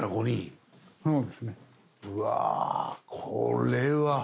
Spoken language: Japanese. うわこれは。